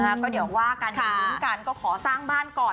เออก็เดี๋ยวว่าการยุ่งกันก็ขอสร้างบ้านก่อน